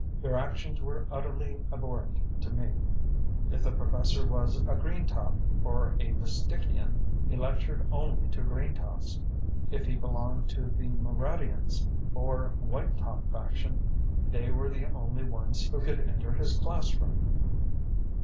Their actions were utterly abhorrent to me. If the professor was a green top, or Wistickian, he lectured only to green tops. If he belonged to the Moraddians, or white top faction, they were the only ones who could enter his classroom.